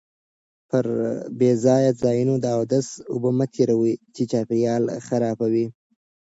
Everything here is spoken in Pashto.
پر بې ځایه ځایونو د اوداسه اوبه مه تېروئ چې چاپیریال خرابوي.